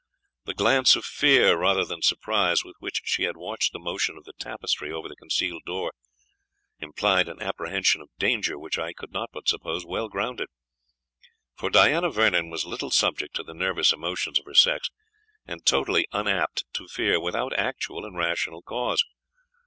The glance of fear, rather than surprise, with which she had watched the motion of the tapestry over the concealed door, implied an apprehension of danger which I could not but suppose well grounded; for Diana Vernon was little subject to the nervous emotions of her sex, and totally unapt to fear without actual and rational cause.